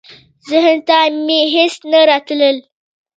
ذهن ته مي هیڅ نه راتلل .